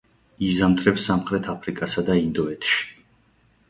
იზამთრებს სამხრეთ აფრიკასა და ინდოეთში.